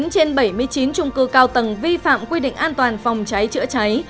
chín trên bảy mươi chín trung cư cao tầng vi phạm quy định an toàn phòng cháy chữa cháy